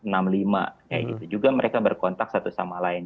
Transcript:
ya itu juga mereka berkontak satu sama lain